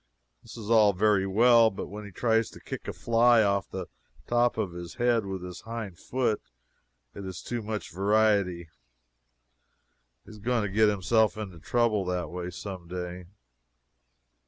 This is all very well, but when he tries to kick a fly off the top of his head with his hind foot, it is too much variety. He is going to get himself into trouble that way some day.